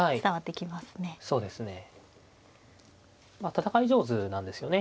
戦い上手なんですよね